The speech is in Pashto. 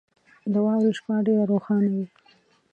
• د واورې شپه ډېره روښانه وي.